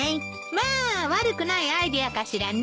まあ悪くないアイデアかしらね。